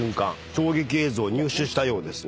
衝撃映像を入手したようですね。